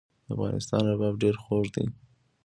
د افغانستان رباب ډیر خوږ دی